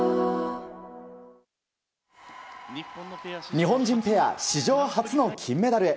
日本人ペア史上初の金メダルへ。